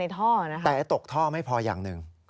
แต่ตกท่อไม่พออย่างหนึ่ง